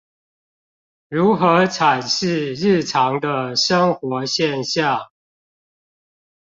如何闡釋日常的生活現象